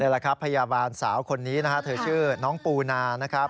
แหละครับพยาบาลสาวคนนี้นะฮะเธอชื่อน้องปูนานะครับ